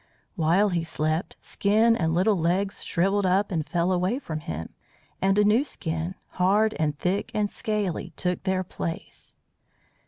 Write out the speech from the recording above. While he slept, skin and little legs shrivelled up and fell away from him, and a new skin, hard and thick and scaly, took their place.